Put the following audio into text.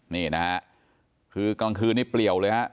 นี่นะฮะคือกลางคืนนี้เปลี่ยวเลยฮะ